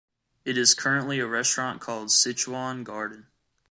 It is currently a restaurant called Sichuan Garden.